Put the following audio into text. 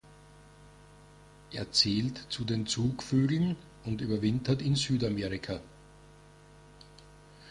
Er zählt zu den Zugvögeln und überwintert in Südamerika.